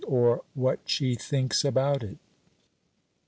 OR, WHAT SHE THINKS ABOUT IT.